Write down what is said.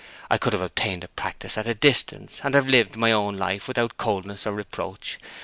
I could have obtained a practice at a distance, and have lived my own life without coldness or reproach.